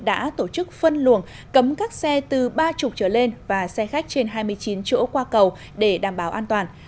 đã tổ chức phân luồng cấm các xe từ ba mươi trở lên và xe khách trên hai mươi chín chỗ qua cầu để đảm bảo an toàn